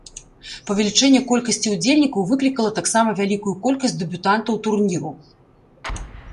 Павелічэнне колькасці ўдзельнікаў выклікала таксама вялікую колькасць дэбютантаў турніру.